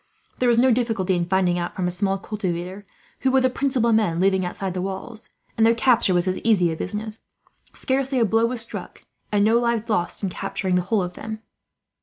There was no difficulty in finding out, from a small cultivator, who were the principal men living outside the walls; and their capture was as easy a business. Scarcely a blow was struck, and no lives lost, in capturing the whole of them."